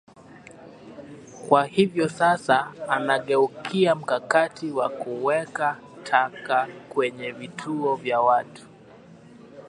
Kwa hivyo sasa anageukia mkakati wa kuweka taka kwenye vituo vya watu